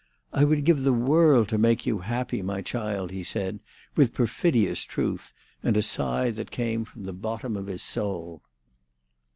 "I would give the world to make you happy, my child!" he said, with perfidious truth, and a sigh that came from the bottom of his soul.